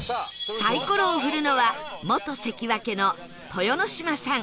サイコロを振るのは元関脇の豊ノ島さん